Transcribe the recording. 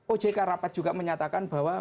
ojk rapat juga menyatakan bahwa